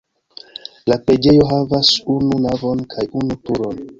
La preĝejo havas unu navon kaj unu turon.